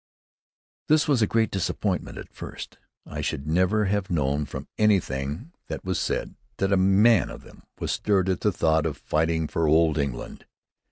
This was a great disappointment at first. I should never have known, from anything that was said, that a man of them was stirred at the thought of fighting for old England.